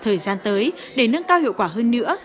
thời gian tới để nâng cao hiệu quả hơn nữa